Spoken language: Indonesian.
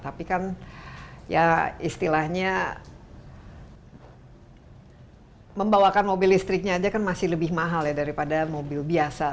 tapi kan ya istilahnya membawakan mobil listriknya aja kan masih lebih mahal ya daripada mobil biasa